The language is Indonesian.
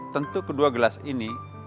tentu kedua gelas ini